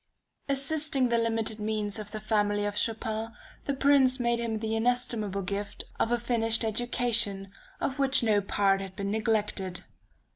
Assisting the limited means of the family of Chopin, the Prince made him the inestimable gift of a finished education, of which no part had been neglected.